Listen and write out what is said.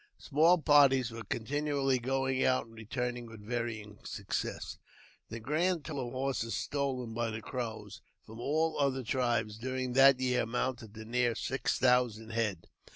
Small parties were continually going out and returning with varying success. The grand total of horses stolen by the Crows from all other tribes during that year amounted to nearly six thousand head.